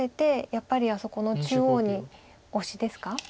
やっぱりあそこの中央にオシですか？